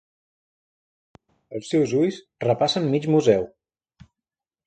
Els seus ulls repassen mig museu.